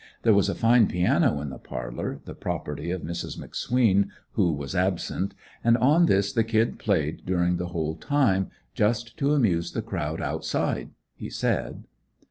There was a fine piano in the parlor, the property of Mrs. McSween, who was absent, and on this the "Kid" played during the whole time, "just to amuse the crowd outside" he said.